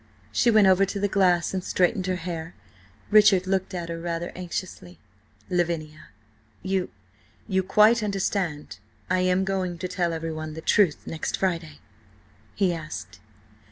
She went over to the glass and straightened her hair. Richard looked at her rather anxiously. "Lavinia–you–you quite understand, I am going to tell everyone the truth—next Friday?" he asked.